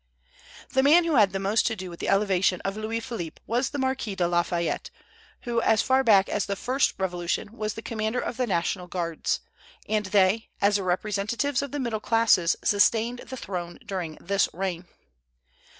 The man who had the most to do with the elevation of Louis Philippe was the Marquis de Lafayette, who as far back as the first revolution was the commander of the National Guards; and they, as the representatives of the middle classes, sustained the throne during this reign.